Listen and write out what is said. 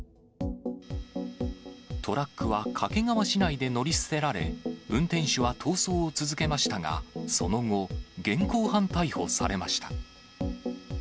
トラックは掛川市内で乗り捨てられ、運転手は逃走を続けましたが、その後、現行犯逮捕されました。